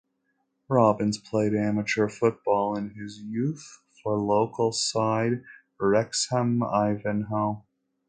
Robbins played amateur football in his youth for local side Wrexham Ivanhoe.